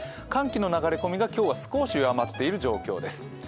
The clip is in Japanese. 寒気の流れ込みが、今日は少し弱まっている状況です。